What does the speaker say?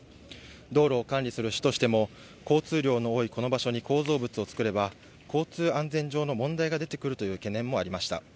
道路を管理する市としても、交通量の多いこの場所に構造物を作れば、交通安全上の問題が出てくるという懸念もありました。